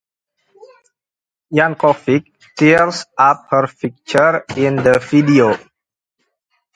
Yankovic tears up her picture in the video.